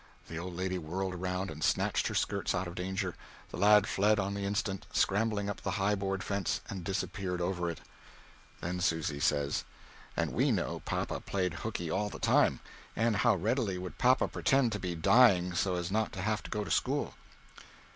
The old lady whirled around and snatched her skirts out of danger. The lad fled on the instant, scrambling up the high board fence and dissapeared over it. Susy and Clara were quite right about that. Then Susy says: And we know papa played "Hookey" all the time. And how readily would papa pretend to be dying so as not to have to go to school!